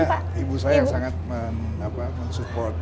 ya sebetulnya ibu saya yang sangat mensupport